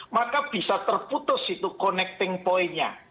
maka bisa terputus itu connecting point nya